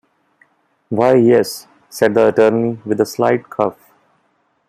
‘Why, yes,’ said the attorney, with a slight cough.